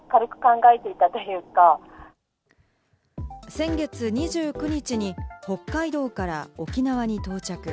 先月２９日に北海道から沖縄に到着。